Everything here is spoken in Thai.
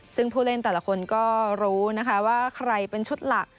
ซึ่งผู้เล่นแต่ละคนก็รู้นะคะว่าใครเป็นชุดหลัก